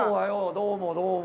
どうもどうも。